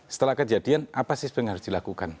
setelah kejadian apa sistem yang harus dilakukan